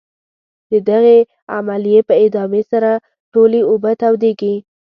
د دغې عملیې په ادامې سره ټولې اوبه تودیږي.